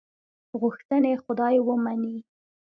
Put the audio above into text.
غوښتنې خدای ومني.